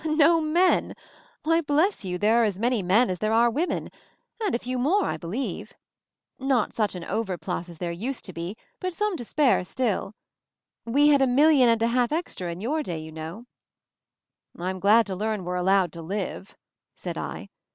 "No menl Why, bless you, there are as m#ny men as there are women, and a few more, I believe. Not such an over plus as there used to be, but some to spare still. We had a million and a half extra in your day, you know." "Fm glad to learn we're allowed to live!" said I.